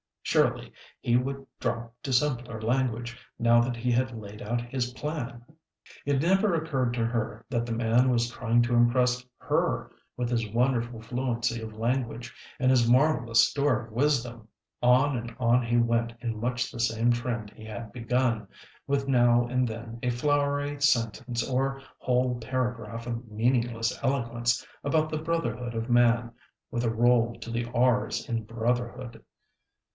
Surely he would drop to simpler language, now that he had laid out his plan. It never occurred to her that the man was trying to impress her with his wonderful fluency of language and his marvelous store of wisdom. On and on he went in much the same trend he had begun, with now and then a flowery sentence or whole paragraph of meaningless eloquence about the "brotherhood of man" with a roll to the r's in brotherhood.